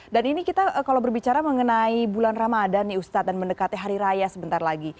ini kita kalau berbicara mengenai bulan ramadan nih ustadz dan mendekati hari raya sebentar lagi